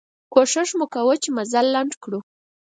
کوښښ مو کوه چې مزل لنډ کړو.